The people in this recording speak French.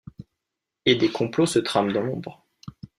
Et des complots se trament dans l'ombre.